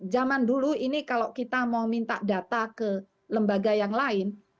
zaman dulu ini kalau kita mau minta data ke lembaga yang lain